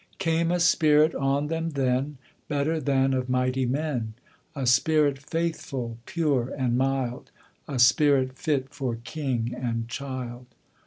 Came a Spirit on them then, Better than of mighty men, A Spirit faithful, pure and mild, A Spirit fit for king and child.